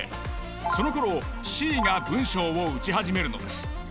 そのころＣが文章を打ち始めるのです。